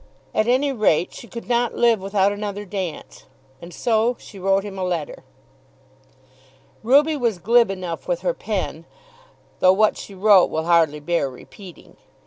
At any rate she could not live without another dance. And so she wrote him a letter. Ruby was glib enough with her pen, though what she wrote will hardly bear repeating.